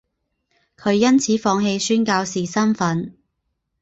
她因此放弃宣教士身分。